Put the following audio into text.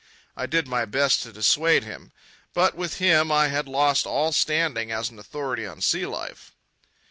I did my best to dissuade him. But with him I had lost all standing as an authority on sea life.